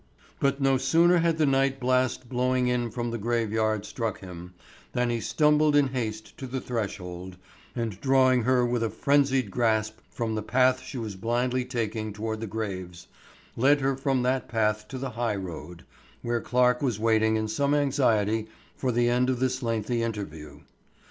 But no sooner had the night blast blowing in from the graveyard struck him, than he stumbled in haste to the threshold, and drawing her with a frenzied grasp from the path she was blindly taking toward the graves, led her from that path to the high road, where Clarke was waiting in some anxiety for the end of this lengthy interview.